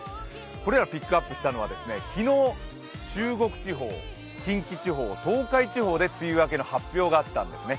これらピックアップしたのは昨日中国地方、近畿地方、東海地方で梅雨明けの発表があったんですね。